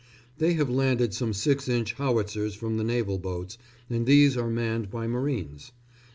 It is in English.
They have landed some 6 inch howitzers from the naval boats, and these are manned by marines.